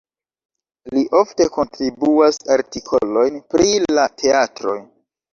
Li ofte kontribuas artikolojn pri la teatroj.